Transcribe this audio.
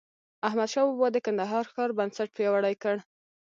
احمدشاه بابا د کندهار ښار بنسټ پیاوړی کړ.